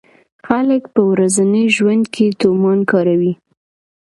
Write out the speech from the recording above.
خلک په ورځني ژوند کې تومان کاروي.